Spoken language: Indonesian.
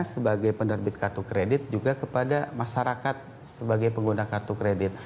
sebagai penerbit kartu kredit juga kepada masyarakat sebagai pengguna kartu kredit